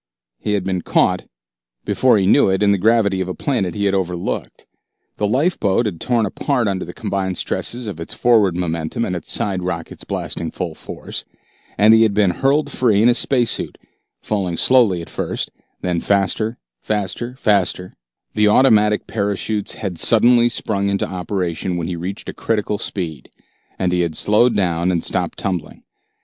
He had been caught, before he knew it, in the gravity of a planet he had overlooked. The lifeboat had torn apart under the combined stresses of its forward momentum and its side rockets blasting full force, and he had been hurled free in his space suit, falling slowly at first, then faster, faster, faster The automatic parachutes had suddenly sprung into operation when he reached a critical speed, and he had slowed down and stopped tumbling.